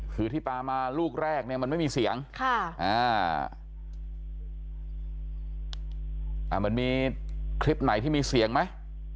คือที่ปลามาลูกแรกเนี่ยมันไม่มีเสียงมันมีคลิปไหนที่มีเสียงไหม